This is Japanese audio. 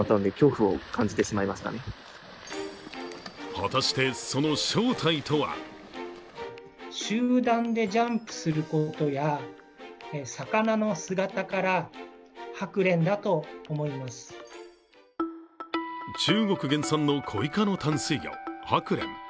果たして、その正体とは中国原産のコイ科の淡水魚、ハクレン。